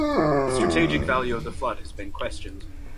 The strategic value of the flood has been questioned.